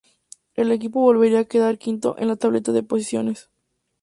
El equipo volvería a quedar quinto en la tabla de posiciones.